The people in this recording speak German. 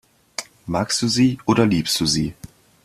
Magst du sie oder liebst du sie?